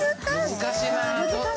難しいなあ。